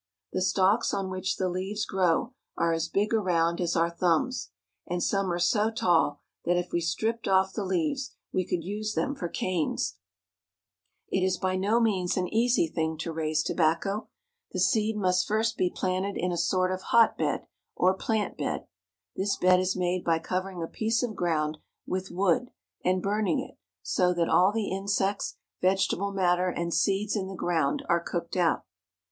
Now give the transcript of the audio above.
The stalks on which the leaves grow are as big around as our thumbs, and some are so tall that if we stripped off the leaves we could use them for canes. RAISING TOBACCO. 107 It is by no means an easy thing to raise tobacco. The seed must first be planted in a sort of hotbed or plant bed. This bed is made by covering a piece of ground with wood, and burning it, so that all the insects, vegetable matter, and seeds in the ground are cooked out.